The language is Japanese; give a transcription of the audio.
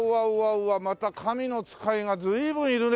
また神の使いが随分いるね。